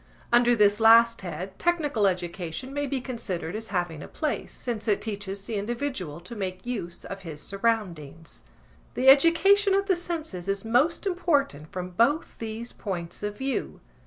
Under this last head technical education may be considered as having a place, since it teaches the individual to make use of his surroundings. The education of the senses is most important from both these points of view.